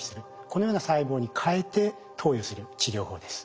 このような細胞にかえて投与する治療法です。